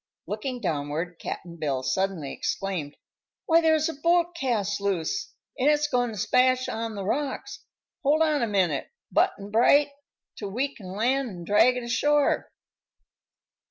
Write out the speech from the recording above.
Looking downward, Cap'n Bill suddenly exclaimed: "Why, there's a boat cast loose, an' it's goin' to smash on the rocks. Hold on a minute, Butt'n Bright, till we can land an' drag it ashore."